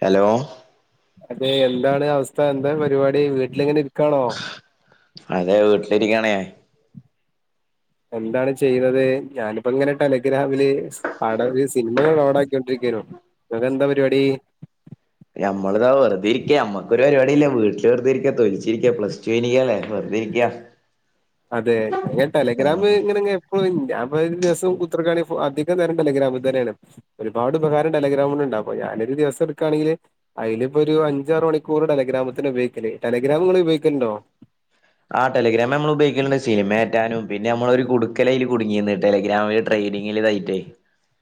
Hello? അതെ എന്താണ് അവസ്ഥ എന്താ പരിപാടി വീട്ടിലിങ്ങനെ ഇരിക്കാണോ അതെ വീട്ടിലിരിക്കണേ എന്താണ് ചെയ്യുന്നത് ഞാനിപ്പോ ഇങ്ങനെ ടെലിഗ്രാമില് ആദായി സിനിമക്കെ കാണായിരിക്കും എന്നിട്ട് നിക്കാനു നിങ്ങക്ക്എന്താ പരിപാടി നമ്മിതാ വെറുത ഇരിക്കുക നമ്മക്ക ഒരു പരിപാടില്ല വീട്ടില് വെറുതെ ഇരിക്ക തൊലിച്ചിരിക്ക പ്ലസ്റ്റു കഴിഞ്ഞ് നിക്കല്ലേ ഏ ക്കാ അതെ ടെലഗ്രാം ഇങ്ങനെ ഇപ്പൊ ഞാപൊരു ദിവസം ഉത്ത കാണിഅപ്പോ അധികം നേരം ടെല്രാാം ഇത് തന്നെയാണ് ഒരുപാട് ഉപകാരം ടെല്രാഗ്രമോണ്ട്ണ്ട് നാപ്പോ ഞാൻ ഒരു ദിവസം എടുക്കാണെങ്കിൽ അയിൽപ്പോ ഒരു അഞ്ചാറ് മണിക്കൂർ ടെലഗ്രാമിതന്നെ ഉപയോഗിക്കൽ ടെലഗ്രാം പ നിങ്ങള് ഉപയോഗിക്കലുണ്ടോ? ആ ടെലഗ്രാം നമ്മൾ ഉപയോഗിക്കുന്നുണ്ട്, സിനിമ കേറ്റാനും പിന്ന നമ്മൊ ഒരു കുടുക്കലൈൽ കുടുങ്ങിയന്ന് ടെലഗ്രാമ [unintelligible]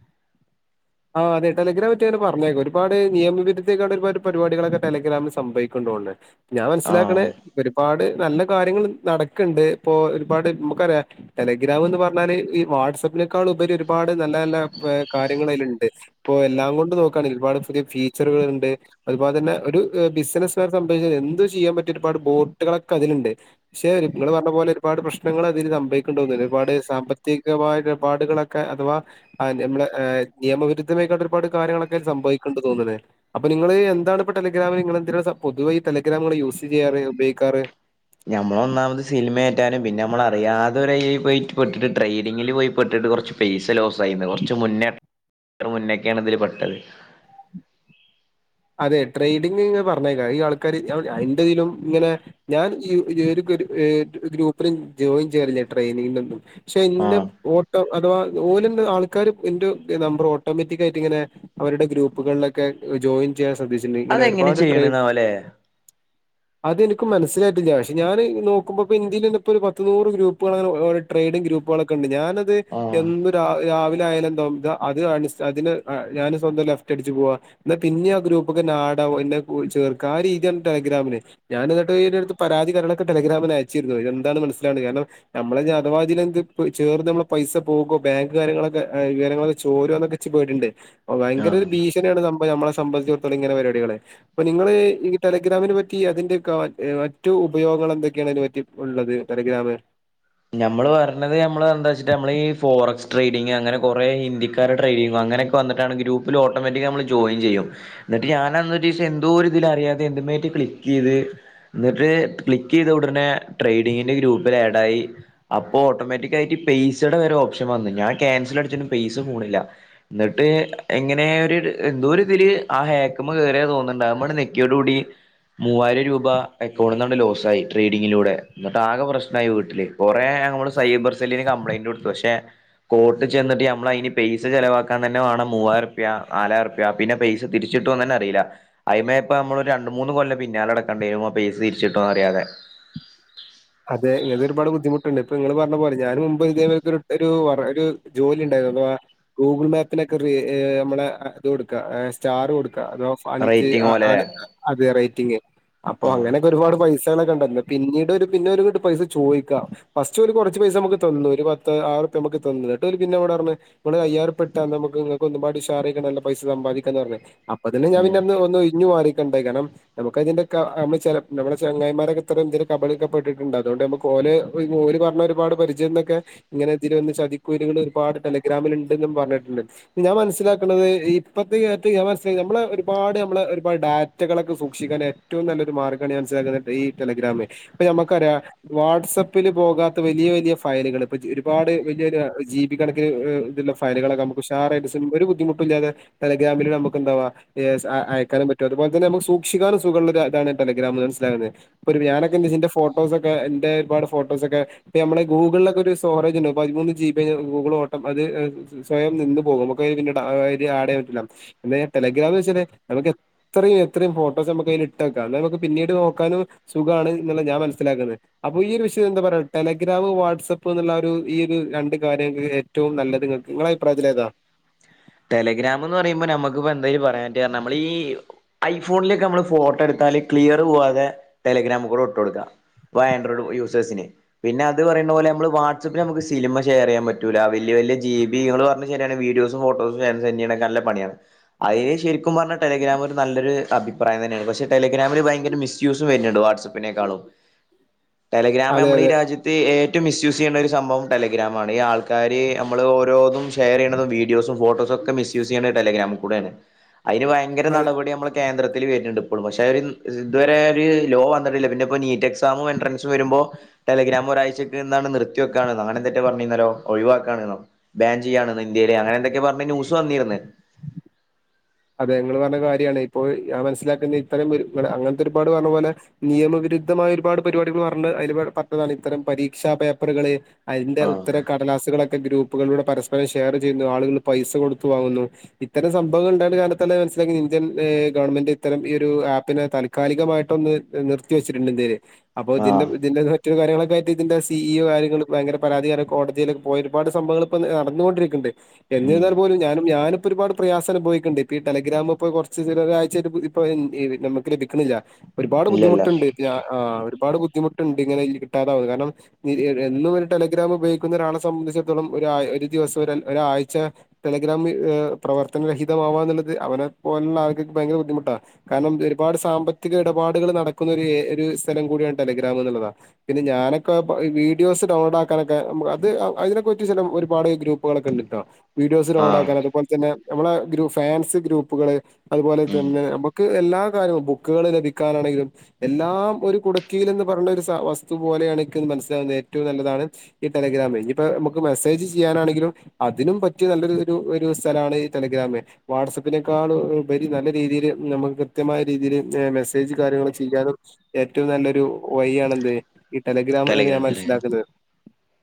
ആ അതെ ടെലഗ്രാമിനെ പറ്റി അവർ പറഞ്ഞേക്കെ ഒരു പാട് നിയവിരുദ്ധ പരിപാടികളൊക്കെ ടെലഗ്രാമിൽ സംഭവിക്കുണ്ട്. ട്ടോണ്ട് ഞാൻ മനസ്സിലാക്കണ ആഹ് ഒരുപാട് നല്ല കാര്യങ്ങൾ നടക്കണ്ട് ഇപ്പോ ഒരുപാട് നമുക്കറിയ ടെലിഗ്രാന്ന് പറഞ്ഞാല് ഈ വാട്സആപ്പ അതിനേക്കാൾ ഉപരി ഒരുപാട് നല്ല നല്ല കാര്യങ്ങളതിലുണ്ട് ഇപ്പോഎല്ലാം കൊണ്ട് നോക്കയാണെങ്കി ഒരുപാട് പുതിയ ഫീച്ചറുകൾ ഉണ്ട് അതുപോലെ തന്നെ ഒരു ബിസിനസ് ഒക്കെ എന്ത് ചെയ്യാൻ പറ്റയ ഒരുപാട് ബോട്ടുകളൊക്കെ അതിലണ്ട് പക്ഷെ നിങ്ങള് പറഞ്ഞ പോലെ ഒരുപാട് പ്രശ്നങ്ങൾ അതി- സംഭവിക്കുണ്ട് ഒരുപാട് സാമ്പത്തികമായടപാടുകളൊക്കെ അഥവാ നമ്മളെ ഏ നിയമവിരുദ്ധമായിട്ട് ഒരുപാട് കാര്യങ്ങളൊക്കെ സംഭവിക്കുണ്ടന്ന് തോന്ന്ണ്, അപ്പോ നിങ്ങള് എന്താണ് ഇപ്പ ടെലിഗ്രാമിൽൽ നിങ്ങൾ എന്തി പൊതുവെ ഈ ടെലഗ്രാമുകൾ യൂസ് ചെയ്യാറ് ഉപയോഗിക്കാറ് ഞമ്മളൊന്നാമത് സിനിമയേറ്റാനും പിന്നെ നമ്മള അറിയാത്ത ഒരയിൽ പോയിപെട്ടിട്ട് ട്രേഡിങ്ങിൽ പോയി പെട്ടിട്ട് കൊറച്ച് പൈസ ലോസ് ആയിന്നു കൊറച്ച് മുന്നേ ത്ര മുന്നക്കെണ് ഇതില് പെട്ടത് അതെ ട്രഡിങ് ഇങ്ങെ പറഞ്ഞേക്ക ഈ ആൾക്കാര് ഞാൻ ഇൻ്റേതിലും ഇങ്ങനെ ഞാൻ ഈ [unintelligible] ഇത് ഏ ഗ്രൂ ഗ്രൂപ്പില് ജോയിൻ ചെയ്യലില്ലെ ട്ട്രൈനിങ്ങൊന്നും പക്ഷെഇന്ന് ആഹ് ഓ അഥവാ ഓലും ആൾക്കാർ എന്റെ നമ്പർ ഓട്ടോമാറ്റിക് ആയിട്ട് ഇങ്ങനെ അവരുടെ ഗ്രൂപ്പുകളിലൊക്കെ ജോയിൻ ചെയ്യാൻ ശ്രദ്ധിച്ചിണ്ട് ഇങ്ങനെ അതെങ്ങനെ ഒരുപാട് ട്രെയിൽ ചെയ്യണന്നാവല്ലേ അതനിക്ക് മനസായിട്ടില്ല പക്ഷെ ഞാൻ നോക്കുമ്പോ ഇപ്പോൻ്റീൽ ന്നെ പ്പോ ഒരു പത്ത് നൂറ് ഗ്രൂപ്പുകളുടെ ട്രേഡിംഗ് ഗ്രൂപ്പുകളൊക്കെ ഉണ്ട് ഞാനത് ആഹ് എന്നും രാവിലെ രാവിലെ ആയാലും തോ അത് അ അതിന് ഞാന് സ്വന്തം ലെഫ്റ്റ് അടിച്ചു പോവാുക എന്നാ പിന്നെ ഗ്രൂപ്പൊക്കെ എന്നെ ആഡാവും എന്നെ ചേർക്ക ആ രീതിയാണ് ടെലി്ഗ്രാമിന് ഞാൻ എന്നിട്ട് പരാതിയൊക്കെ ടെലി ട്രാ- ഗ്രാമിന് അയച്ചിരുന്നു എന്താണ് മനസ്സില കാരണം നമ്മലള്ഞ്ഞി അഥവാ ഇതിലെന്ത് പോ ചേർന്ന് നമ്മളെ പൈസപോകോ പോകാ പാ കാര്യങ്ങളൊക്കൊ രകാര്യങ്ങളൊക്കെ ചോരോന്നൊക്കെ ഇച്ച് പേടിണ്ട് അ ഭയങ്കര ഒരു ആഹ് ഭീഷണിയാണ് നമ്മളെ സ ഇങ്ങനെ പരിപാടികളെ അ നിങ്ങള് ഈ ടെലിഗ്രാമിനെ പറ്റി അതിന്റെ മറ്റു ഉപയോഗങ്ങളന്തൊക്കെ എന്തായിന് പറ്റി ഇപ്പോള്ളത് ടെലഗ്രാമിൽ ഞമ്മള് പറഞ്ഞത് നമ്മള് എന്താചിട്ട നമ്മളീ അങ്ങനൊക്കെ വന്നിട്ടാണ് ഗ്രൂപ്പിൽഓട്ടോമാറ്റിക് നമ്മൾ ജോയിൻ ചെയ്യും എന്നിട്ട്ഞാ ഞാനന്ന് ഒരീസം എന്തോരിതിൽ അറിയാതെ എന്ത്മേ റ്റി ക്ലിക്ക് ചെയ്തന്നിട്ട് ക്ലിക്ക് ചെയ്ത ഉടനെ ട്രേഡിങ്ങിന്റെ ഗ്രൂപ്പിൽ ആഡായി അപ്പോ ഓട്ടോമാറ്റിക് ആയിട്ട് പൈസയുടെ വരെ ഓപ്ഷൻ വന്നു ഞാൻക്യാൻസൽ അടിച്ചിട്ടും പൈസ പോണില്ല ന്നി ഇത്എങ്ങനെ ഒരു എന്തോ ഇതില് ആ ഹേക്ക് മോ കേയറിയ താതോന്നുണ്ട് അത് മോനെക്കിയോട് കൂടി. മൂവായിരം രൂപ അക്കൗണ്ടിൽ നിന്നങ്ങട് ലോസ് ആയി ട്രേഡിങ്ങിലൂടെ എന്നിട്ട് ആകെ പ്രശ്നമായി വീട്ടില് കുറേ നമ്മള് സൈബർ സെല്ലിന് കംപ്ലയി ട്ടുണ്ട് പക്ഷെ കോട്ട ചെന്നിട്ട് നമ്മളയിന് പൈസ ചെലവാക്കാതന്നെ വാണം മൂവായിരറ്പ്യ നാലായിരറ്പ്പ്യ ആ പിന്നെ പൈസ തിരിച്ചിട്ടോന്നന്നെ അറിയില അയിമ്മേ ഇപ്പൊ നമ്മളരു രണ്ട് മൂന്ന് കൊല്ല പിന്നാലടക്കണ്ടേരും ആപൈസ തി ചിട്ടും അറിയാതെ ഉണ്ട് ഇപ്പോ ഇങ്ങള് പറഞ്ഞ പോലെ ഞൻ മുമ്പ് ഇതേ ഒരു വർ ജോലി ഉണ്ടായിരുന്നു. അതെ ഗൂഗിൾ മാപ്പിനെ നമ്മടെ അത് കൊടുക്ക സ്റ്റാർ കൊടു- അ അതോ ഫഞ്ച് റേറ്റിംഗ് അ പോലെല്ലേ അത് അതെ റേറ്റി അപ്പൊ ആഹ് അങ്ങനൊക്കെ ഒരുപാട് പൈസ ളൊക്കെണ്ടാധികം പിന്നീട് ഒരു പിന്നെ ഒരു കെട്ട് പൈസ ചോയിക്ക ഫസ്റ്റ് ഓല് കുറച്ച് പൈസ നമുക്ക് തന്നു ഒരു പത്ത് ആയിരറുപ്പി നമക്ക് തന്നു ന്നിട്ടൊൽ പിന്നെ നിങ്ങൾ അയായിരംഒറിപ്പഇട്ട ഇന്ന നമ്മക്ക് നല്ല ഉഷാറായിട്ട്പൈസ സമ്പാദിക്കാന്ന് പറഞ്ഞ അതിനെ ഞാ ഉം പിന്നന്ന് ഒന്ന് ഓയിഞ്ഞു മാറി ഉണ്ടായിരിക്കണം, നമുക്കതിന്റെ നമ്മ ചെങ്ങായിമാരൊക്കെ ഇത്തരം കബളിക്ക ട്ടിട്ടുണ്ട് അതുകൊണ്ട് നമ്മക് ഓല് ഒയിഞ്ഞു ഓല് പറഞ്ഞ ഒരുപാട് പരിചയം എന്നൊക്കെ ഇങ്ങനെ തിരെ ചതിക്കു ഏർപാ ടെലഗ്രാമിൽ ണ്ടന്ന് പറഞ്ഞിട്ടുണ്ട് ഞാൻ മനസ്സിലാക്കുന്നത് ഇപ്പഴത്തെ ഈ [unintelligible] നമ്മള ഒരുപാട് നമ്മള് ഒരുപാട് ഡാറ്റകളൊക്കെ സൂക്ഷിക്കാൻ ഏറ്റവും നല്ലൊരു മാർഗാണ് മനസ്സിലാക്കുന്നത് ഈ ടെലഗ്രാം. ഇപ്പൊ നമക്കറിയാം വാട്സആപ്പില് പോകാത്ത വലിയ വലിയ ഫയലുകൾ ഇപ്പ ഒരുപാട് വലിയൊരു ജീവി ക്കണക്ക് ഇത്‌ള്ള ഫയലുകളൊക്കെ നമുക്ക് ഉഷാറായിട്ട് സിമ്പി ഒരു ബുദ്ധിമുട്ടുല്ലാതെ ടെലഗ്രാമിൽ നമുക്കുണ്ടാവാഏ ചാ അയാകാനും പറ്റും അതുപോലെ തന്നെമുക്ക് സൂക്ഷിക്കാനും സുഖള്ളതാണ് ടെലഗ്രാം മനസ്സിലകുന്നത് ഇപ്പോരു ഞാനൊക്കെഇഞ്ഞിതിൻ്റെ ഫ ഫോട്ടോസൊക്കെ എന്റെ ഒരുപാട് ഫോട്ടോസൊക്കെ നമ്മള് ഗൂഗ്ള്ലൊക്കെ ഒരു സ്റ്റോറേജ് ഉണ്ട് പതിമൂന്ന് ജി ബി കഴിഞ്ഞാ ഓട്ടം അത് സ്വയം നിന്ന് പോകും നമുക്ക് പിന്നീട് ഇതി ആട്ചെയ്യാൻ പറ്റില്ല എാ ടെലഗ്രാം എന്ന് വെച്ചേ നമുക്ക് എത്രയും എത്രയും ഫോട്ടോസ് നമക്ക് അതിൽ ഇട്ട്ക്കാം എന്ന നമുക്ക് പിന്നീട് നോക്കാനും സുഖമാണ് എന്നുള്ള ഞാൻ മ മനസ്സിലാക്കുന്നത് അപ്പോ ഈ ഒരു വിഷയം എന്താ പറയ ടെലഗ്രാം വാട്സആപ്പ് എന്നുള്ള ഒരു ഈ ഒരു രണ്ട് കാര്യങ്ങൾ ഏറ്റവും നല്ലത് നിങ്ങക്ക് നിങ്ങള അഭിപ്രായത്തിലേതാ [unintelligible] ടെലിഗ്രാം എന്ന് പറയുമ്പോ നമുക്കിപ്പോ എന്തായീ പറയാപറ്ററഞ്ഞ നമ്മൾ ഈ ഐഫോണിലൊക്കെ നമ്മൾ ഫോട്ടോഎടു ക്ലിയർ പോവാതെ ടെലിഗ്രാം കൂടെ ഇട്ട് കൊടുക്കാം വാ ആൻഡ്രോയ്ഡ് യൂസേഴ്സിന് പിന്നെ അത് പറയുന്ന പോലെ നമ്മൾ വാട്സപ്പിൽ നമുക്ക് സിനിമ ഷെയർ ചെയ്യാൻ പറ്റൂല്ല വലൃ വല്ല്യ ജി ബി പറഞ്ഞ ശരിയാണ് വീഡിയോസും ഫോട്ടോ സെന്റയാൻ നല്ല പണിയാണ് അതിന് ശെരിക്കും പറഞ്ഞ ടെലഗ്രാം ഒരു നല്ലൊരു അഭിപ്രായം തന്നെയാണ് പക്ഷെ ടെലി ടെലില്രാമിൽ ഭയങ്കര മിസ്യൂസും വരുന്നുണ്ട് വാട്സആപ്പിനെക്കാളും ടെലഗ്രാം അതെ നമ്മള ഈ അതെ രാജ്യത്ത്ഏറ്റ ഏറ്റവുമിസ്യൂസ് ചെയ്ണത്ഒരു സംഭവം ടെലിഗ്രാംആണ്. ഈ ആൾക്കാര് നമ്മളോരോന്നും ഷെയർ ചെയ്യുന്നതുംവീഡിയോസും ഫോട്ടോസും ഇപ്പൊക്കെ മിസ്യൂസ് ചെയ്യണ് ടെലഗ്രാമിക്കൂടെന് അയിനു ഭയങ്കര അതെ നടപടി നമ്മളെ കേന്ദ്ര തിലവരുന്നുണ്ട് ഇപ്പോഴും പക്ഷെ ഇതുവരെ ഒരു ലോ വന്നിട്ടില്ല പിന്നെ ഇ നീറ്റ് എക്സാമും എൻട്രൻസും വരുമ്പോ ടെലിഗ്രാം ഒഴാഴ്ച്ചേക്ക് എന്താണ് നിർത്തിവെക്കാണന്നൊ അങ്ങനെന്തക്ക പറഞ്ഞീര്ന്നല്ലോ ഒഴിവാക്കാണന്നൊ ബാൻ ചെയ്യാണന്ന് ഈയിടെ അങ്ങനെന്തൊക്കെ പറഞ്ഞ ന്യൂസ് വന്നിരുന്ന് അതെ നിങ്ങള് പറഞ്ഞ കാര്യമാണ് ഇപ്പോൾ ഞാൻ മനസ്സിലാക്കുന്ന ഇത്തരം അങ്ങനത്തെ ഒരുപാട് പറഞ്ഞ പോലെ നിയമവി- വ്യക്തമായ ഒരുപാട് പരിപാടികൾ പറഞ്ഞ അതി പറ്റതാണ് ഇത്തരം പരീക്ഷ പേപ്പറുകള് അതിന്റെ ഉത്തര ആഹ് കടലാസുകളക്കെ ഗ്രൂപ്പുകളിലൂടെ പരസ്പരം ഷെയർ ചെയ്യുന്നു ആളുകൾ പൈസ കൊടുത്തു വാങ്ങുന്നു ഇത്തരം സംഭവങ്ങൾ കാലന്നെ മനസ്സിലാക്കി ഇന്ത്യൻ ഗവൺമെന്റ് ഇത്തരം ഈ ഒരു ആപ്പിനെ താക്കാലികമായിട്ടൊന്നു നിർത്തിവ സിരുണ്ടി തെരി അപ്പോ ഇതിന്റ ആഹ് ഇതിന്റെ മറ്റൊരു കാര്യങ്ങളൊക്കെയിട്ടിതിന്റെ സി ഇ ഇ കാര്യങ്ങള് ഭയങ്കര പരാതി പറഞ്ഞ് കോടതിയിലൊക്ക പോ ഒരുപാട് സംഭവൾ ഇപ്പോൾ നടന്നുകൊണ്ടിരിക്കുണ്ട് ഉം എന്നിതാൽ പോലും ഞാനും ഞാനിപ്പോ ഒരുപാട് പ്രയാസനുഭവി ണ്ട് ഇപ്പൊ ടെലഗ്രാാം ഇപ്പൊ കുറച്ച് ഒരാഴ്ച ആയിട്ട് ഇപ്പൊ നമുക്ക് ലഭിക്കണ്ടില്ല ഒരുപാട് ഇല്ലല്ല ബുദ്ധിമുട്ടുണ്ട്. ഒരുപാട് ബുദ്ധി ബുദ്ധിമുട്ടുണ്ട്ങ്ങനെ കിട്ടാതാവും കാരണം എന്നും ഒരു ടെലഗ്രാം ഉപയോഗികുന്ന ഒരാളെ സംബന്ധിച്ചിടത്തോളം ഒരാ ഒരു ദിവസം ഒര ഒരാഴ്ച ടെലഗ്രാം പ്രവർത്തനരഹി പോകാന്നുള്ളത് അവനെ പോലുള്ള ആൾക്ക് ആ ഭയങ്കര ബുദ്ധിമുട്ടാണ് കാരണം ഒരുപാട് സാമ്പത്തിക ഇടപാടുകൾ നടക്കുന്നു ഒരു ഒരു സ്ഥലം കൂടിയ ടെലഗ്രാം എന്നുള്ളതാ പിന്നെ ഞാനൊക്കെ വീഡിയോസ് ഡൗൺലോഡ് ആക്കാനൊക്കെ മു അത് അതിനെക്കെറിച്ച് ചില ഒരുപാട് ഗ്രൂപ്പുകളൊക്കെണ്ടിട്ട വീഡിയോസ് ആഹ് ലോടാക്കൻ അതുപോലെ തന്നെ നമ്മളെ ഗ്രൂ ഫാൻസ് ഗ്രൂപ്പുകള് അതുപോലെ ഉം തന്നെ നമുക്ക് എല്ലാ കാര്യവും ബുക്കുകള് ലഭിക്കാനാണെങ്കിലും എല്ലാം ഒരു കുടക്കിയിൽ എന്ന് പറഞ്ഞുന്ന ഒരു വസ്തു പോലെയണിക്കന്ന് മനസ്സിലാകുന്നത് ഏറ്റവും നല്ലതാണ് ഈ ടെല ടെലിഗ്രാം ഇനിയിപ്പം നമുക്ക് മെസ്സേജ് ചെയ്യാനാണെങ്കിലും അതിനും പറ്റിയ നല്ലൊരു ഒരു സ്ഥലാണ് ടെലഗ്രാമ് വാട്സആപ്പിനേക്കാളും ഉപരി നല്ല രീതിയില് നമുക്ക് കൃത്യമായ രീതിയില് മെസ്സേജ് കാര്യങ്ങള് ചെയ്യാൻ ഏറ്റവും നല്ലൊരു വഴിയാണെന്ത് ഈ ടെലിഗ്രാം എന്ന് ഞാൻ ടെലഗ്രാം ടെലഗ്രാം മനസ്സിലാക്കുന്നത്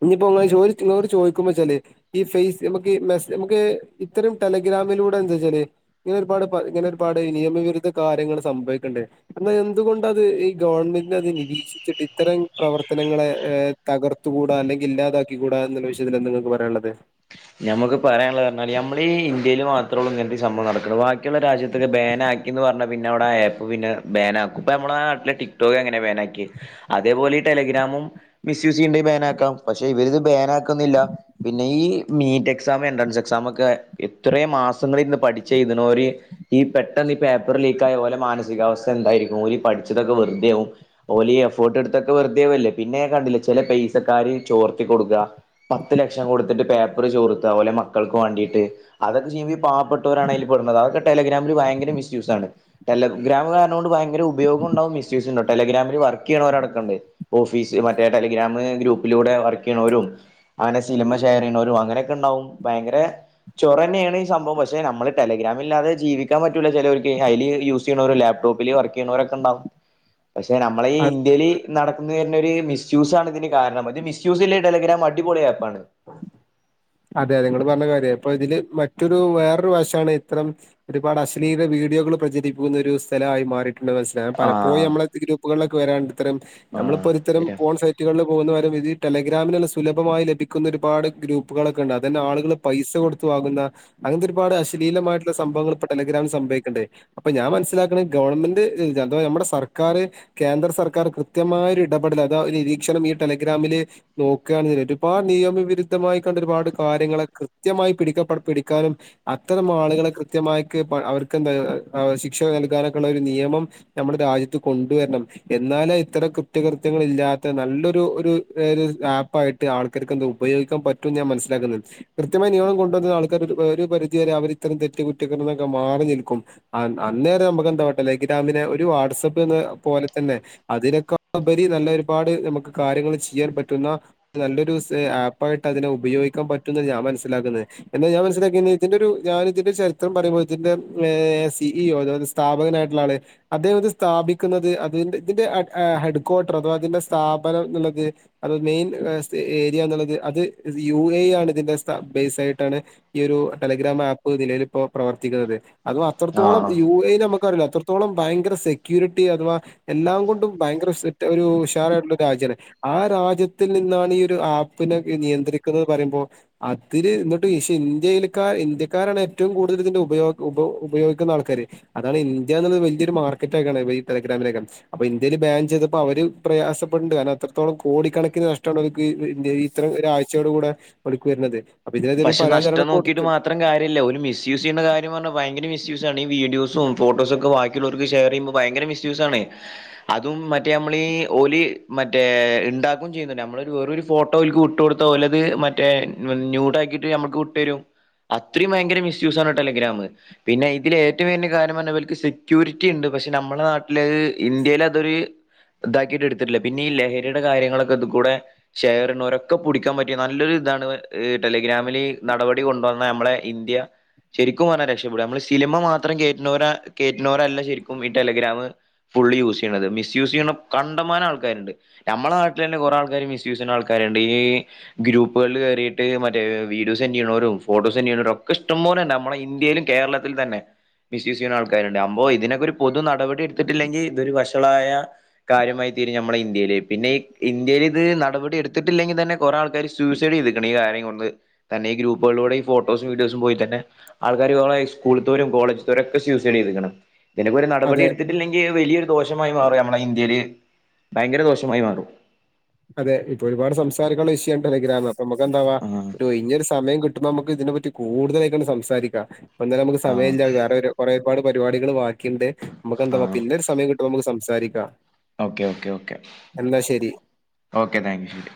ഇനിയിപ്പോനെ ചോട് ചോദിക്കുമ്പോ വെച്ചാല് ഈ ഫേസ് നമുക്ക് മെസ് നമുക്ക് ഇത്തരം ടെ ഗ്രാമില ന്താവെച്ചാല് ഇങ്ങനെ ഒരുപാട് ഇങ്ങനെ ഒരുപാട് നിയമവിരുദ്ധ കാര്യങ്ങള് സംഭവിക്കണ്ട് എന്നാ എന്തുകൊണ്ടാ ത് ഈ ഗവൺമെന്റിന് അത് നിരീക്ഷിച്ചിട്ട് ഇത്തരം പ്രവർത്തനങ്ങളെ ഏ തകർത്തുകൂടാ അല്ലെങ്കി ഇല്ലാ ദ്ധാക്കിക്കൂടാ എന്നുള്ള വിശയത്തിൽ എന്താ നിങ്ങക്ക് പറയാനുള്ളത് ഞമ്മക്ക് പറയാനുള്ളത് പറഞ്ഞാല് നമ്മളീ ഇന്ത്യയി മാത്രേള്ളൂ ഇങ്ങനത്തെ സംഭവം നടക്കണ വാക്കി മറ്റുള്ള രാജ്യത്തൊക്കെ ബാനാക്കിന്ന് പറഞ്ഞ പിന്നെവിടെ ആപ്പ്ന്നെ ബാന ആാക്കും ഇപ്പ നമ്മളെ നാട്ടിലെ ടിക്ടോക്ക്ങ്ങനെ ബാൻാക്കി അതേപോലെ ടെലി്രാം മിൂസ് ചെയ്യണ്ട ബാനാക്കാം പക്ഷെ ഇവരിത് ബാന ആക്കുന്നില്ല പിന്നെ ഈ മീറ്റ് എക്സാം എൻട്രൻസ് എക്സാമൊക്കെ എത്രേ മാസങ്ങളിരുന്ന് പഠിച്ച് എഴുത്ണോര് ഈ പെട്ടെ ഈ പേപ്പറ് ലീക്ക് ആയ പോലെ മാനസികാവസ്ഥ എന്തായിരിക്കും ഓലീ പടിച്ചതൊക്കെ വെറുതെ ആവും ഓലീ എഫോർട്ട് എടുത്ത വെറുതെആവില്ലേ പിന്നെ കണ്ടില്ല ചെല പൈസക്കാര് ചോർത്തി കൊടുക്ക പത്ത് ലക്ഷം കൊടുത്തിട്ട് പേപ്പർ ചോർത്ത പോലെ മക്കക്ക് വേണ്ടിട്ട് അതൊക്കെ ചെയ്യുമ്പോ പാവപ്പെട്ടവരാണ് അയില് പെടുന്നത് അതൊക്കെ ടെലഗ്രാമിൽ ഭയങ്കര മിസ്സ്‌ യൂസ് ആണ് ടെലഗ്രാം കാരണുണ്ട് ഭയങ്കര ഉപയോഗുണ്ടാവും മിസ്സ് യൂസും ഉണ്ടാവും ടെലഗ്രാമിൽ ചെയറ്റ ടെല്ര്ര ചുമ്മാ ഷെയറയ്യണോരും അങ്ങനെയൊക്കെ ഉണ്ടാവും ഭയങ്കര ചോറന്നെയാണ് ഈ സംഭവം പക്ഷെ നമ്മള് ടെലഗ്രാമില്ലാതെ ജീവിക്കാൻ പറ്റൂല ചെലോർക്ക് ഹൈലീ യൂസെയ്യണോരില്ലേ ലപ്ടോപ്പില് വർക്ക് ചെയ്യുന്നവരൊക്കെണ്ടാവും പക്ഷെ നമ്മള ഈ ഇന്ത്യല് നടക്കുന്നത് തന്നെ ഒര് മിസ്യൂസാണ് ഇതിന് കാരണം ഇത് മിസ്യൂസ്സില്ലെ ടെലഗ്രാം അടിപൊളി ആപ്പാണ് അതെ അതെ നിങ്ങള് പറഞ്ഞ കാര്യാ ഇപ്പൊ ഇതില് മറ്റൊരു വേറൊരു വശാണ് ഇത്തരം ഒരുപാട് അശ്ലീല വീ വീഡിയോകൾ പ്രചരിപ്പിക്കുന്ന ഒരു സ്ഥലമായി മാറിട്ട് മനസിലായി പലപ്പോയും ആഹ് നമ്മളാ ഗ്രൂപ്പുകളിലൊക്കെ വരാണ്ട് ഇത്തരം ആഹ് നമ്മളിപ്പോ ഒരുത്തരും ശരിയാ പോൺ സൈറ്റുകളില് പോകുന്നവരം ഇതീ ടെല ഗ്രാമിനുള്ള സുലഭമായി ലഭിക്കുന്ന ഒരുപാട് ഗ്രൂപ്പ് പ്പുകളൊക്കെ ഉണ്ട് അതന്നെ ആളുകൾ പൈസ കൊടുത്തുവാകുന്ന അങ്ങനത്തെ ഒരുപാട് അശലീലമായിട്ടുള്ള സംഭവങ്ങൾ ഇപ്പ ടെലിഗ്രാം സംഭവം ഉ അപ്പൊ ഞാൻ മനസ്സിലാക്ക ഗവൺമെന്റ് അഥ നമ്മുടെ സർക്കാർ കേന്ദ്ര സർക്കാർ കൃത്യം മായ ഒരു ഇടപെടൽ അതാ നിരീക്ഷണം ഈ ടെലഗ്രാമില് നോക്കാണേല് ഒരുപാട് നിയമവിരുദ്ധമായി ഒരുപാട് കാര്യങ്ങളൾ കൃത്യമായി പിടി പിടിക്കാനും അത്തരം ആളുകളെ കൃത്യമായി അവ ശിക്ഷ നൽകാനൊക്കുള്ള ഒരു നിയമം നമ്മുടെ രാജ്യത്ത് കൊണ്ടുവരണം എന്നാലെ ഇത്ര ഒര് കുറ്റകൃത്യളില്ലാത്ത നല്ലൊരു ഒരു ഏത് ആപ്പായിട്ട് ആൾക്കാര്ക്കത് ഉപയോഗിക്കാൻ പ ഞാൻ മനസ്സിലാക്കുന്നത് കൃത്യമായ നിയമം കൊണ്ടുവന്ന ആൾക്കാർ ഒരു പരിധി വരെ അവർ ഇത്തം തെറ്റ കുറ്റക്കൊക്കെ മാറി അന്നേം നു്രാമിനെ ഒരു വാട്പ്പ് പോലെ തന്നെ അ ഇക്കാ ബരി നല്ല ഒരുപാട് നമുക്ക് കാര്യങ്ങള് ചെയ്യാൻ പറ്റുന്ന നല്ലൊരു സെ ആപ്പയിട്ട് ക്ക അതിനെ ഉപയോഗിക്കൻ പറ്റുന്നാ ഞാൻ മനസ്സിലാക്കുന്നെ എന്നാ ഞാൻ മനസിലാക്കിന്നാ ഇതിന്റെ ഒരു ഞാന് ഇതിന്റെ ചരിത്രം പറയുമ്പോ ഇതി ഏ സി ഇ ഒ അതായത് സ്ഥാപകനായിട്ടുള്ള ആള് അദ്ദേഹം ഇത് സ്ഥാപിക്കുന്നത് അതിന്റെ ഇതിന്റെ അ ഹെഡ്ക്വാർട്ടറ് അഥവാ അതിന്റെ സ്ഥാപനം എന്നുള്ളത് അത് മെയിൻ സ്ത് ഏരിയ എന്നുള്ളത് അത് യു എ ആണ് ഇതിന്റെ ബേസ് ആയിട്ടാണ് ഈ ഒരു ടെലിഗ്രാം ആപ്പ് നിലൽ ഇപ്പോ പ്രവർത്തിക്കുന്നത് അതും അത്രത്തോളം ആഹ് യു എ നമുക്ക് ന്ന് പറയല്ലോ അത്രത്തോളം ഭയങ്കര സെക്യൂരിറ്റി അഥവാ എല്ലാം കൊണ്ടും ഭയങ്കര സ്വെറ്റ് ഒരു ഉഷാറായിട്ടുള്ള രാജ്യാണ് ആ രാജ്യത്തിൽ നിന്നാണ് ഈ ഒരു ആപ്പിനെ നിയ തിരക്കീന്ന് പറയുമ്പോ അതിര് എന്നിട്ട് ഈഷ് ഇന്ത്യൽക്കാ ഇന്ത്യക്കാരാണ് ഏറ്റവും കൂടുതൽ ഇതിന്റെ ഉപയോഗം ഉപയോഗിക്കുന്ന ആൾക്കാര് അതാണ് ഇന്ത്യുള്ളത് വലിയൊരു മാർക്കറ്റക്ക ടെലഗ്രാമിനകം അൊ ഇന്ത്യ പ്ലാൻ ചെയ്തപ്പോ അവര് പ്രയാസപ്പെടുന്നുണ്ട് കാരണം അത്രത്തോളം കോടിക്കണക്കിന് നഷ്ടാണ് ഇത്ര രാ ഉച്ചയോടു കൂടെ ഇവട്ക്ക് വരുന്നത് ഒരു പക്ഷെ പരാതി നഷ്ടം അവര് നോക്കിട്ട് കൊടുത്ത്. മാത്രം കാരില്ല ഒരു മിസ്യൂസ് ചെയ്യുന്ന കാര്യം പറഞ്ഞ ഭയങ്കര മിസ് മിസ് ഈ വീഡിയോസും ഫോട്ടോ ഒക്കെ ബാക്കിയുള്ളവർക്ക് ഷെയർ ചെയ്യുമ്പോൾ ഭയര മിസൂസ് ആണ് അതും മറ്റേ നമമ്മളീ ഓലി മറ്റേ ഇണ്ടാക്കും ചെയ്യുന്നു നമ്മളൊരു വെറും ഒരു ഫോട്ടോ അയിൽക്ക് ഇട്ട് കൊടുത്ത ഓലത് മറ്റേ ഞൂടാക്കിട്ട് നമ്മുക്ക് കൊണ്ടരും അത്രയും ഭയങ്കര മിസ്യുസ് ആണ് ടെലഗ്രാം പിന്നെ ഇതിൽ ഏറ്റവും വേലിയ കാരണം ഇവർക്ക് സെക്യൂരിറ്റി ഉണ്ട് പക്ഷെ നമ്മള നാട്ടില് ഇന്ത്യൽ അതൊരു ഇതാക്കിട്ട് എടുത്തിട്ടില്ല പിന്നെ ഈ ലഹരിയുടെ കാര്യങ്ങളൊക്കെ ഇത് കൂടെ ഷേറിട്ണോരൊക്കെ പുടിക്കാൻ പറ്റിയ നല്ലൊരു ഇതാണ് ടെലിഗ്രാമില് നടപടി കൊണ്ടുവന്ന നമ്മളുടെ ഇന്ത്യ ശെരിക്കും പറഞ്ഞാ രക്ഷപ്പെടും നമ്മള് സിനിമ മാത്രം കേറ്റുന്നോരാ കേറ്റുന്നോരല്ല ശെരിക്കും ഈ ടെലഗ്രാമ് ഫുള്ള് യൂസ് ചെയ്യുന്നത്ത് മിസ്യൂസ് ചെയ്യുന്ന കണ്ടമാന ആക്കാരുണ്ട് നമ്മള നാട്ടിൽ തന്നെ കുറെ ആൾക്കാര് മിസ്യുസ് ചെയ്യുന്ന ആൾക്കാരുണ്ട് ഗ്രൂപ്പുകളില് കേറീട്ട് മറ്റ വീഡിയോ സെന്റ് ചെയ്യുന്നവരും ഫോട്ടോ സെന്റ് ചെയ്യുന്നവരും ഒക്കെ ഇഷ്ടംോലെ നമ്മുടെ ഇന്ത്യയിലും കേരളത്തിലും തന്നെ മിസ്യൂസ് ചെയ്യുന്ന ആൾക്കാരുണ്ട് അമ്പോ ഇതിനൊക്കെ ഒരു പൊതു നടപടി എടുത്തിട്ടില്ലെങ്കിൽ ഇതൊരു വഷളായ കാര്യമായി തീരും നമ്മടെ ഇന്ത്യയില് പിന്നെ ഈ ഇന്ത്യയിലിത് നടപടി എടുത്തിട്ടില്ലെങ്കി തന്നെ കൊറേ ആൾക്കാര് സൂയിസൈഡ് ചെയിതേക്കണ് ഈ കാര്യം കൊണ്ട് തന്നെ ഈ ഗ്രൂപ്പുകളിലൂടെ ഈ ഫോട്ടോസും വീഡിയോസും പോയി തന്നെ ആൾക്കാര് കുറേ സ്കൂളിത്തോരും കോളേജിത്തോരും ഒക്കെ ഇതിനൊക്കെ ഒരു അതെ നടപടി എടുത്തിട്ടില്ലെങ്കിൽ വലിയൊരു ദോഷം ദോഷമായി മാറും നമ്മടെ ഇന്ത്യയില് ഭയങ്കര ദോഷമായി മാറും അതെ ഇപ്പൊ ഒരുപാട് സംസാരിക്കുള്ള വിഷയം ടെലഗ്രാമ അപ്പൊ നമക്കെന്താവാ ഒരു ആ ഒയിഞ്ഞൊരു സമയം കിട്ട നമുക്ക് ഇതിനെപ്പറ്റി കൂടുതലായിട്ട സംസാരിക്ക ഇപ്പം തന്ന നമുക്ക് ആ സമയില്ല വേറൊരു കൊറേപാട് പരിപാടികൾ ബാക്കിയണ്ട് നമുക്ക് ആ എന്താവാ പിന്നെ ഒരു സമയം കിട്ടുമ്പ നമുക്ക് സംസാരിക്കാം ഓക്കെ ഓക്കെ ഓക്കെ എന്നാ ശരി. ഓക്കെ താങ്ക്യു ശെരി